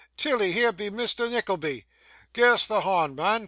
Tilly, here be Misther Nickleby. Gi' us thee hond, mun.